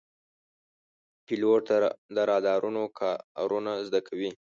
پیلوټ د رادارونو کارونه زده کوي.